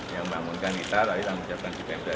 yang bangunkan kita nanti tanggung jawabnya di pemda